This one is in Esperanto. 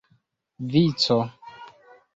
vico